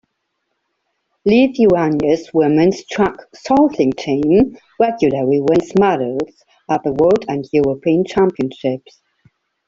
Lithuania's women's track cycling team regularly wins medals at the world and European championships.